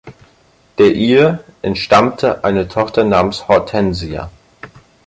Der Ehe entstammte eine Tochter namens Hortensia.